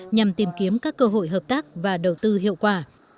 nhằm tìm kiếm các cơ hội hợp tác và đầu tư hiệu quả